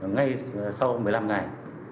ngay sau một mươi năm ngày